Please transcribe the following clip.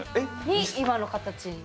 に今の形。